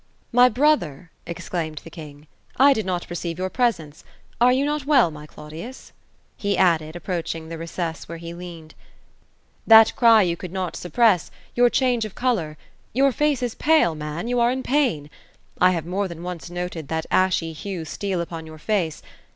" My brother !" exclaimed the king. "I did not perceive your pres ence. Arc you not well, my Claudius?" he added, approaching the re cess where he leaned. " That cry you could not suppress — ^yonr change of color — your face is pale, man ; you are in pain. I have more than once noted that ashy hue steal upon your face.